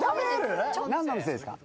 何のお店ですか？